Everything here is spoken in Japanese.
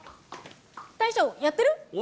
大将、やってる？